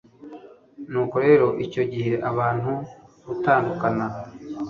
nuko rero icyo gihe abantu gutandukana